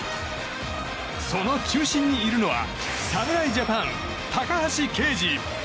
その中心にいるのは侍ジャパン高橋奎二。